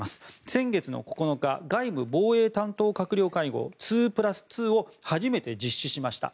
先月９日外務・防衛担当閣僚会合２プラス２を初めて実施しました。